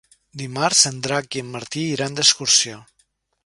Dimarts en Drac i en Martí iran d'excursió.